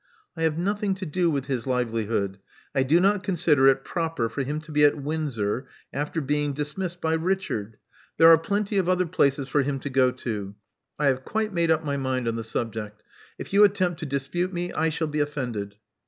I have nothing to do with his livelihood. I do not consider it proper for him to be at Windsor, after being dismissed by Richard. There are plenty of other places for him to go to. I have quite made up my mind on the subject. If you attempt to dispute me, I shall be offended."